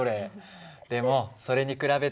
でもそれに比べて。